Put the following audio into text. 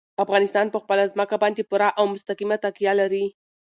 افغانستان په خپله ځمکه باندې پوره او مستقیمه تکیه لري.